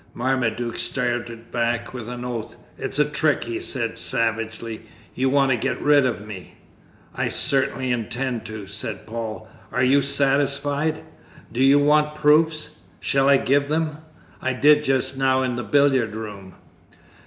Marmaduke started back with an oath: "It's a trick," he said savagely; "you want to get rid of me." "I certainly intend to," said Paul. "Are you satisfied? Do you want proofs shall I give them I did just now in the billiard room?"